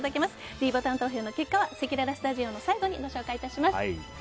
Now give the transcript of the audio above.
ｄボタン投票の結果はせきららスタジオの最後にご紹介いたします。